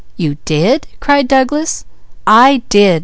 "You did?" cried Douglas. "I did!"